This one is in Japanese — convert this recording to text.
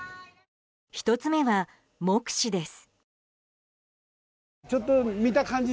１つ目は目視です。